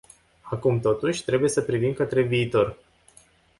Acum totuși, trebuie să privim către viitor.